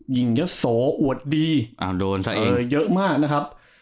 หญิงเยาะโดนเฮาะดีโดยเยอะแม่เลยนะครับ